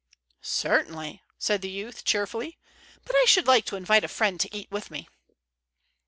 "Certainly," said the youth, cheerfully. "But I should like to invite a friend to eat with me."